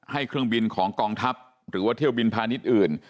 เครื่องบินของกองทัพหรือว่าเที่ยวบินพาณิชย์อื่น